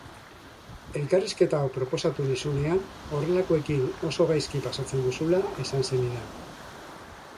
Elkarrizketa hau proposatu nizunean horrelakoekin oso gaizki pasatzen duzula esan zenidan.